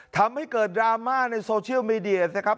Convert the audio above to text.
ทำให้เกิดดราม่าในโซเชียลมีเดียนะครับ